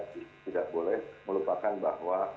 tidak boleh melupakan bahwa